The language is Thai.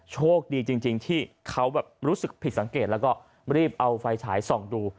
โชคดีจริงที่เขาแบบรู้สึกผิดสังเกตแล้วก็รีบเอาไฟฉายส่องดู